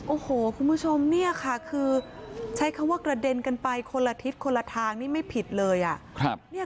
โอ้โหคุณผู้ชมเนี่ยค่ะคือใช้คำว่ากระเด็นกันไปคนละทิศคนละทางนี่ไม่ผิดเลยอ่ะ